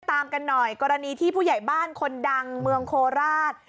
ตามกันหน่อยกรณีที่ผู้ใหญ่บ้านคนดังเมืองโคราช